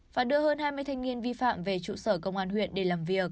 và đưa hơn hai mươi thanh niên vi phạm về trụ sở công an huyện để làm việc